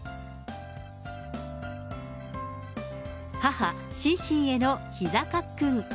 母、シンシンへのひざかっくん。